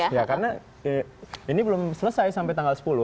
lanjut terus karena ini belum selesai sampai tanggal sepuluh